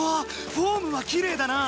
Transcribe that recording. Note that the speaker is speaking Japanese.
フォームはきれいだなあ。